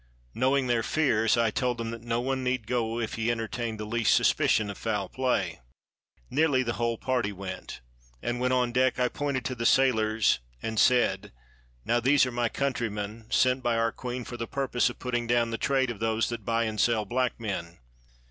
Knowing their fears, I told them that no one need go if he entertained the least suspicion of foul play. Nearly the whole party went; and when on deck, I pointed to the sailors and said, "Now, these are all my countrymen, sent by our queen for the purpose of putting down the 3S6 THE MOUNTAIN WITH SEVERAL CAVES trade of those that buy and sell black men."